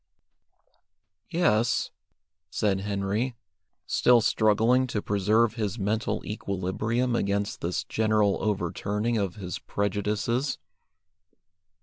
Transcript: "Yes," said Henry, still struggling to preserve his mental equilibrium against this general overturning of his prejudices.